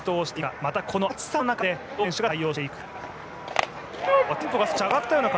また、この暑さの中でどう選手が対応していくか。